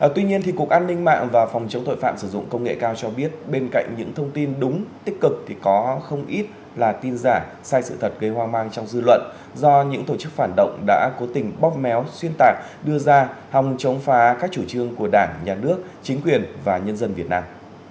tuy nhiên cục an ninh mạng và phòng chống tội phạm sử dụng công nghệ cao cho biết bên cạnh những thông tin đúng tích cực thì có không ít là tin giả sai sự thật gây hoang mang trong dư luận do những tổ chức phản động đã cố tình bóp méo xuyên tạc đưa ra hòng chống phá các chủ trương của đảng nhà nước chính quyền và nhân dân việt nam